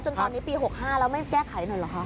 ตอนนี้ปี๖๕แล้วไม่แก้ไขหน่อยเหรอคะ